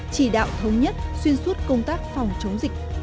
chỉ đạo thống nhất xuyên suốt công tác phòng chống dịch